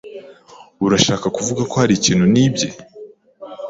Urashaka kuvuga ko hari ikintu nibye?